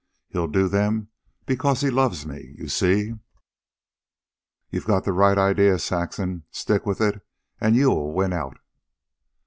He'll do them because he loves me, you see." "You got the right idea, Saxon. Stick with it, an' you'll win out."